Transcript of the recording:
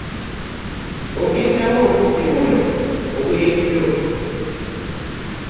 Ogenda wa obudde buno obwe kiro?